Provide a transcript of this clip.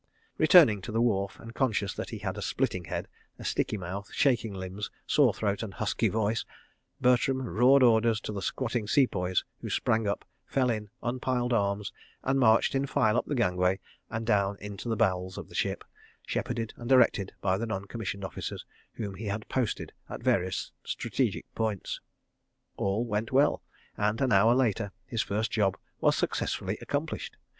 ... Returning to the wharf, and conscious that he had a splitting head, a sticky mouth, shaking limbs, sore throat and husky voice, Bertram roared orders to the squatting Sepoys, who sprang up, fell in, unpiled arms, and marched in file up the gangway and down into the bowels of the ship, shepherded and directed by the Non commissioned Officers whom he had posted at various strategic points. All went well, and, an hour later, his first job was successfully accomplished.